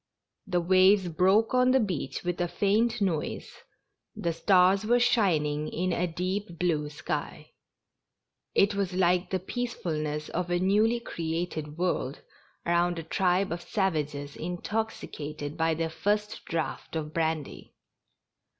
The waves broke on the beach with a faint noise, the stars were shining in a deep blue sky — it was like the peace fulness of a newly created world around a tribe of sav ages intoxicated by their first draught of brandy.